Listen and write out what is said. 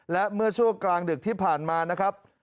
และเมื่อช่วงกลางดึกที่ผ่านมานะครับ